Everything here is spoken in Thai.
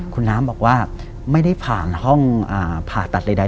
คุณน้ำบอกว่าไม่ได้ผ่านห้องผ่าตัดใด